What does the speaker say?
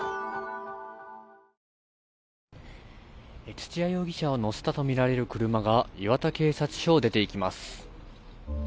土屋容疑者を乗せたとみられる車が磐田警察署を出ていきます。